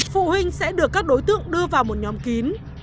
phụ huynh sẽ được các đối tượng đưa vào một nhóm kín